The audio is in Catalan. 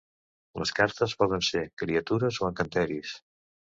Les cartes poden ser criatures o encanteris.